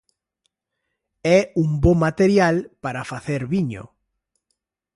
É un bo material para facer viño.